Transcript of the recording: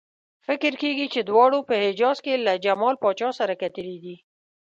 فکر کېږي چې دواړو په حجاز کې له جمال پاشا سره کتلي دي.